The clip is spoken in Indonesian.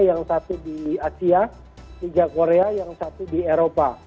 yang satu di asia tiga korea yang satu di eropa